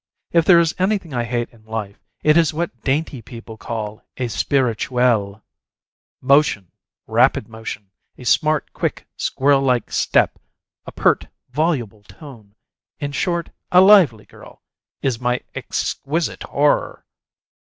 If there is anything I hate in life, it is what dainty people call a spirituelle. Motion rapid motion a smart, quick, squirrel like step, a pert, voluble tone in short, a lively girl is my exquisite horror!